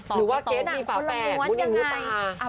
หรือว่าเกศมีฝ่าแปดมุนิมูตา